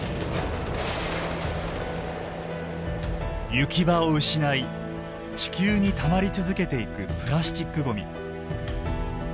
行き場を失い地球にたまり続けていくプラスチックごみ。